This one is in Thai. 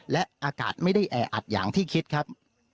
และอากาศไม่ได้แออัดอย่างที่คิดครับ